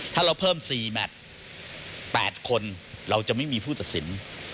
ถ้าเราเพิ่ม๔แมท๘คนเราจะไม่มีผู้ตัดสิน